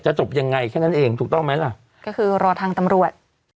จบยังไงแค่นั้นเองถูกต้องไหมล่ะก็คือรอทางตำรวจ